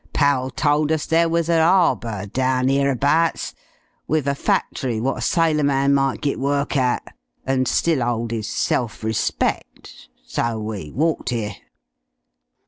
Pal told us there was a 'arbour down 'ere abahts, wiv a factory wot a sailorman might git work at an' still 'old 'is self respec'. So we walked 'ere."